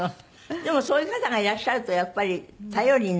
でもそういう方がいらっしゃるとやっぱり頼りになるでしょう？